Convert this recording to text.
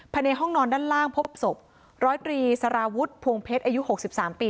ภายในห้องนอนด้านล่างพบศพร้อยตรีสารวุฒิพวงเพชรอายุ๖๓ปี